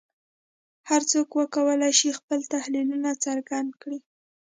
هر څوک وکولای شي خپل تحلیلونه څرګند کړي